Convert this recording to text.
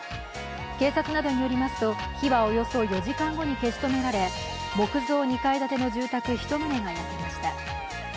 警察などによりますと、火はおよそ４時間後に消し止められ木造２階建ての住宅１棟が焼けました。